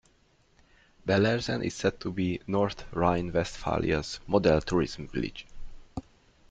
Bellersen is said to be "North Rhine-Westphalia's Model Tourism Village".